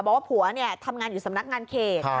บอกว่าผัวทำงานอยู่สำนักงานเขต